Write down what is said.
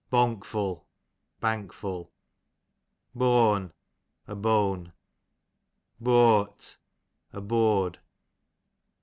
Bonkful, bankful. Booan, a bone. Booart, a board.